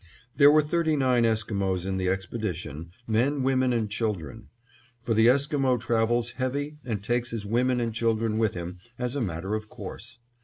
There were thirty nine Esquimos in the expedition, men, women and children; for the Esquimo travels heavy and takes his women and children with him as a matter of course.